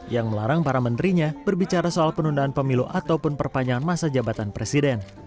yang melarang para menterinya berbicara soal penundaan pemilu ataupun perpanjangan masa jabatan presiden